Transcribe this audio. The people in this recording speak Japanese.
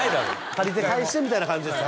借りて返してみたいな感じです